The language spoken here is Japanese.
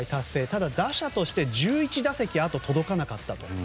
ただ、打者として１１打席あと届かなかったと。